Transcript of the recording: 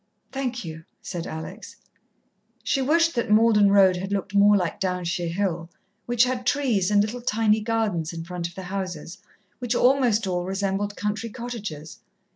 "Thank you," said Alex. She wished that Malden Road had looked more like Downshire Hill, which had trees and little tiny gardens in front of the houses, which almost all resembled country cottages.